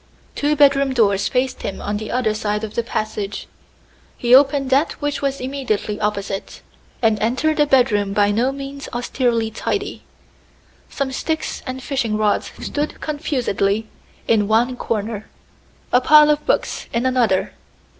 Two bedroom doors faced him on the other side of the passage. He opened that which was immediately opposite, and entered a bedroom by no means austerely tidy. Some sticks and fishing rods stood confusedly in one corner, a pile of books in another.